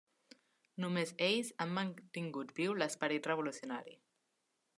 Només ells han mantingut viu l'esperit revolucionari.